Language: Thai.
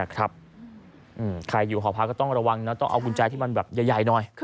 ใครอยู่หอพักก็ต้องระวังนะต้องเอากุญแจที่มันแบบใหญ่หน่อย